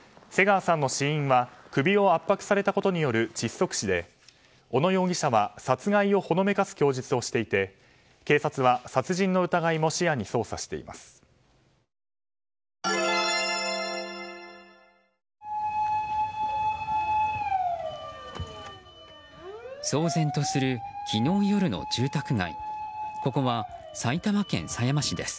瀬川さんの死因は首を圧迫されたことによる窒息死で小野容疑者は殺害をほのめかす供述をしていて警察は殺人の疑いも視野に捜査しています。